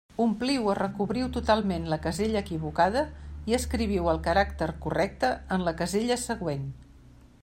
Ompliu o recobriu totalment la casella equivocada i escriviu el caràcter correcte en la casella següent.